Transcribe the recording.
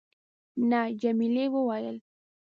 نه. جميلې وويل:.